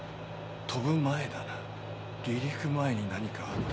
飛ぶ前だな離陸前に何かあった。